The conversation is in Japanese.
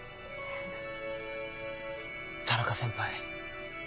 田中先輩。